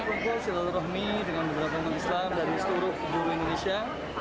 untuk silaturahmi dengan beberapa umat islam dari seluruh indonesia